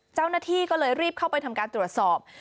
เจ้าหน้าที่ก็เลยรีบเข้าไปทำการตรวจสอบ